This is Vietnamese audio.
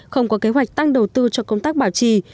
không có kế hoạch tăng đầu tư cho công tác bảo trì